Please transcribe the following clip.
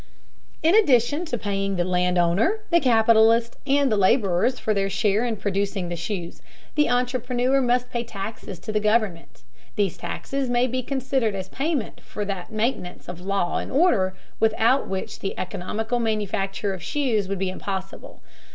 In addition to paying the land owner, the capitalist, and the laborers for their share in producing the shoes, the entrepreneur must pay taxes to the government. These taxes may be considered as payment for that maintenance of law and order without which the economical manufacture of shoes would be impossible.